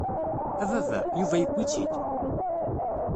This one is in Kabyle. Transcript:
A baba! Yuba yewwi-tt-id!